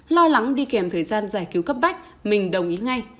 lo lắng đi kèm thời gian giải cứu cấp bách mình đồng ý ngay